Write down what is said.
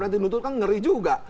nanti muncul kan ngeri juga